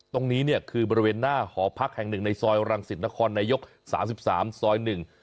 ตรงนี้เนี่ยคือบริเวณหน้าหอพักแห่งหนึ่งในซอยอลังศิษย์นครนายก๓๓ซอย๑